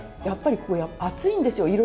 やっぱりここ厚いんですよ。